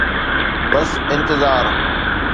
بس انتظار.